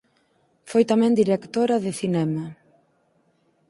Foi tamén directora de cinema.